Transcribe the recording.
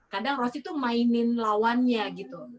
kadang rosy tuh mainin lawannya gitu